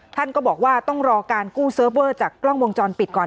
ท่านก็บอกว่าต้องรอการกู้เซิร์ฟเวอร์จากกล้องวงจรปิดก่อน